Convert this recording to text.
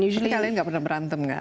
tapi kalian nggak pernah berantem kan